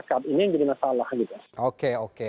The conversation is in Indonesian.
tapi kalau tidak ada yang berlangsung baik di masyarakat itu masalah